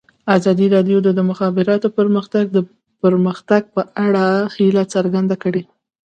ازادي راډیو د د مخابراتو پرمختګ د پرمختګ په اړه هیله څرګنده کړې.